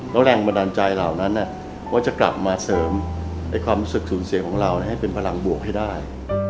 แล้วแรงบันดาลใจเหล่านั้นก็จะกลับมาเสริมความรู้สึกสูญเสียของเราให้เป็นพลังบวกให้ได้